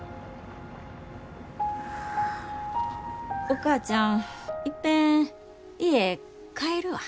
お母ちゃんいっぺん家帰るわ。